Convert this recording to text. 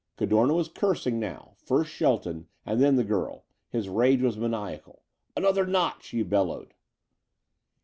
Cadorna was cursing now, first Shelton and then the girl. His rage was maniacal. "Another notch!" he bellowed.